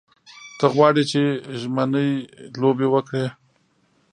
ته غواړې چې ژمنۍ لوبې وکړې.